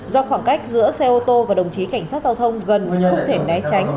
do khoảng cách giữa xe ô tô và đồng chí cảnh sát giao thông gần như không thể né tránh